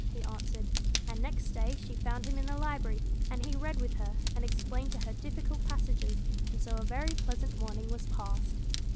he answered; and next day she found him in the library, and he read with her, and explained to her difficult passages, and so a very pleasant morning was passed.